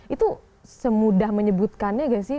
itu semudah menyebutkannya nggak sih